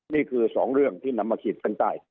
นี่คือ๒เรื่องที่นำมาขีดเส้นใต้